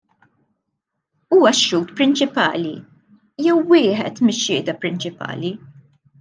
Huwa x-xhud prinċipali, jew wieħed mix-xhieda prinċipali.